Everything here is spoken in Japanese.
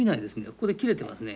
ここで切れてますね。